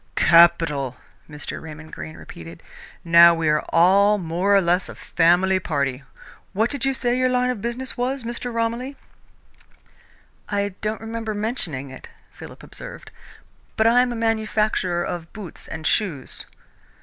"Capital!" Mr. Raymond Greene repeated. "Now we are all more or less a family party. What did you say your line of business was, Mr. Romilly?" "I don't remember mentioning it," Philip observed, "but I am a manufacturer of boots and shoes."